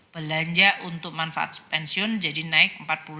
belanja untuk manfaat pensiun jadi naik empat puluh